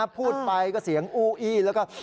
พูดไปก็เสียงอู้อี้